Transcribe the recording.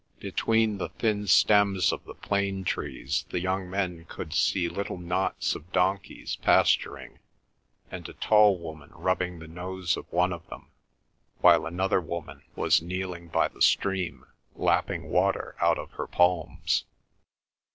Between the thin stems of the plane trees the young men could see little knots of donkeys pasturing, and a tall woman rubbing the nose of one of them, while another woman was kneeling by the stream lapping water out of her palms.